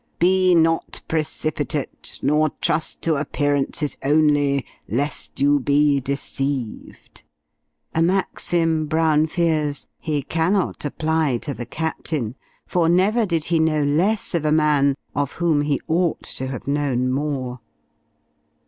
"Be not precipitate, nor trust to appearances only, lest you be deceived!" a maxim, Brown fears, he cannot apply to the Captain; for, never did he know less of a man, of whom he ought to have known more.